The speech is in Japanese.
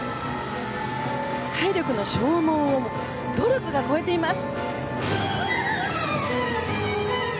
体力の消耗を努力が超えています。